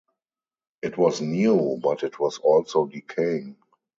It was new, but it was also decaying.